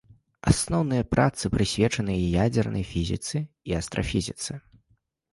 Асноўныя працы прысвечаны ядзернай фізіцы і астрафізіцы.